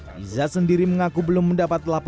riza sendiri mengaku belum mendapatkan penghubungan